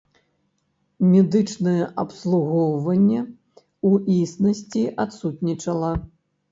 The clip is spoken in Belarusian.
Медычнае абслугоўванне, у існасці, адсутнічала.